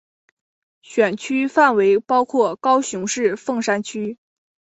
选区范围包括高雄市凤山区。